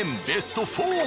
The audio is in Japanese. ベスト４！